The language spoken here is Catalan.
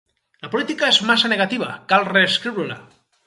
La política és massa negativa; cal reescriure-la